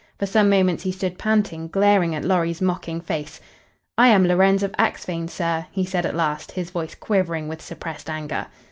For some moments he stood panting, glaring at Lorry's mocking face. "I am Lorenz of Axphain, sir," he said at last, his voice quivering with suppressed anger.